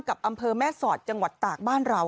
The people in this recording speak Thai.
กลุ่มน้ำเบิร์ดเข้ามาร้านแล้ว